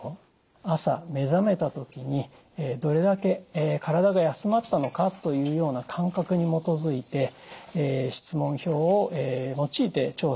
朝目覚めたときにどれだけ体が休まったのかというような感覚に基づいて質問票を用いて調査しました。